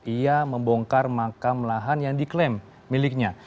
ia membongkar makam lahan yang diklaim miliknya